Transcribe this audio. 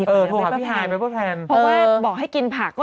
เพราะว่าบอกให้กินผัก